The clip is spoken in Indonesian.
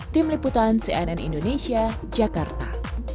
tim liputan cnn indonesia jakarta